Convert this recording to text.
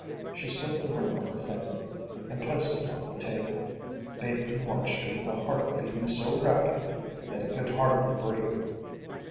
She slipped the ring off her finger and placed it on the table. Bateman watched her with a heart beating so rapidly that he could hardly breathe.